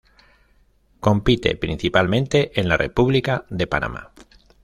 Compite principalmente en la República de Panamá.